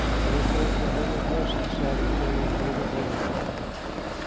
Therefore Jehovah blessed the Sabbath day and made it holy.